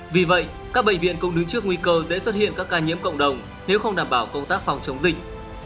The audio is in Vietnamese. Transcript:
vì vậy các bệnh viện cũng đứng trước nguy cơ dễ xuất hiện các ca nhiễm cộng đồng nếu không đảm bảo công tác phòng chống dịch